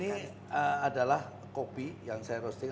ini adalah kopi yang saya roasting